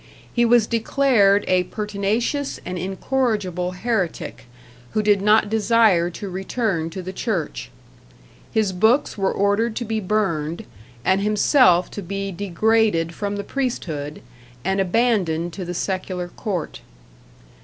He was declared a pertinacious and incorrigible heretic who did not desire to return to the Church; his books were ordered to be burned, and himself to be degraded from the priesthood and abandoned to the secular court.